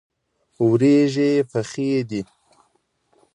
وریژې پخې دي.